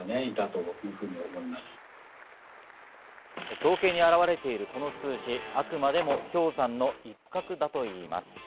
統計に表れているこの数字はあくまでも氷山の一角だといいます。